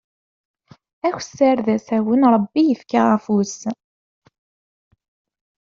Akessar d akessar, Ṛebbi ifka afus.